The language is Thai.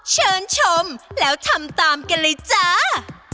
เชิญชมแล้วทำตามกันเลยจ้า